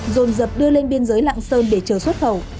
dồn dập đưa lên biên giới lạng sơn để chờ xuất khẩu